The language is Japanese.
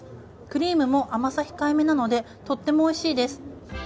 クリームも甘さ控えめなのでとってもおいしいです。